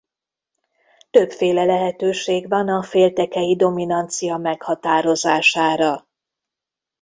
Többféle lehetőség van a féltekei dominancia meghatározására.